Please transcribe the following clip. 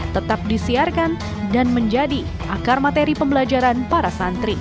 tetap disiarkan dan menjadi akar materi pembelajaran para santri